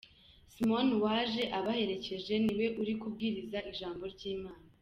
Simon waje abaherekeje niwe uri kubwiriza ijambo ry’Imana.